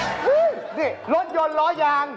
นี่รถยนต์ล้อยาง